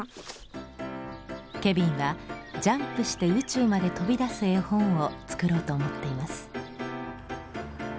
ケビンはジャンプして宇宙まで飛び出す絵本を作ろうと思っています。